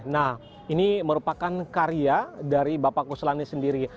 nah ini merupakan karya dari bapak kuslani sendiri